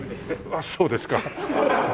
あっそうですか。